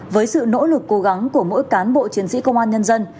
với sự nỗ lực cố gắng của mỗi cán bộ chiến sĩ công an nhân dân